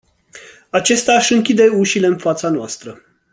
Acesta își închide ușile în fața noastră”.